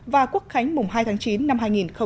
và quốc khánh mùng hai tháng chín năm hai nghìn một mươi chín